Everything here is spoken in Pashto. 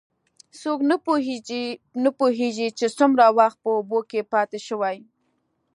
څوک نه پوهېږي، چې څومره وخت په اوبو کې پاتې شوی.